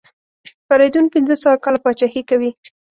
فریدون پنځه سوه کاله پاچهي کوي.